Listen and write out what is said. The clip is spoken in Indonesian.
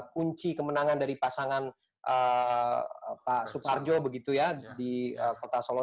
kunci kemenangan dari pasangan pak soekarjo begitu ya di kota solo